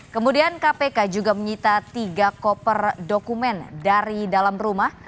kemudian kpk juga menyita tiga koper dokumen dari dalam rumah